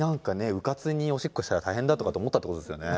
うかつにオシッコしたら大変だとかって思ったってことですよね。